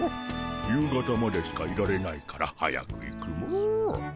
夕方までしかいられないから早く行くモ。